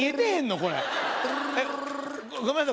これごめんなさい